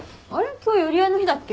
今日寄り合いの日だっけ。